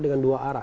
dengan dua arah